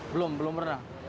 belum belum pernah